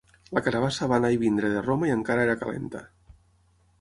La carabassa va anar i venir de Roma i encara era calenta.